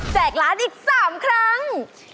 แจกร้านอีกสามครั้ง